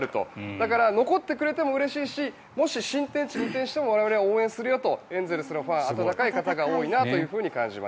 だから残ってくれてもうれしいしもし新天地に移転しても我々は応援するよとエンゼルスのファンは温かい方が多いなという印象です。